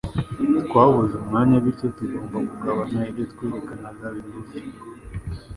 Twabuze umwanya bityo tugomba kugabanya ibyo twerekanaga bigufi